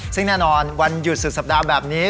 ซึ่งแน่นอนวันหยุดสุดสัปดาห์แบบนี้